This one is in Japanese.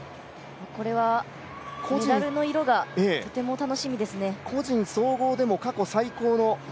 これはメダルの色がとても楽しみですね。